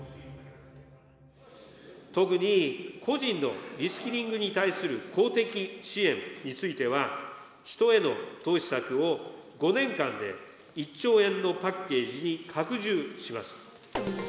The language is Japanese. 特に、個人のリスキリングに対する公的支援については、人への投資策を５年間で１兆円のパッケージに拡充します。